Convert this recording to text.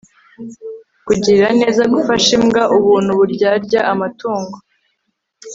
kugirira neza gufasha imbwa ubuntu uburyarya amatungo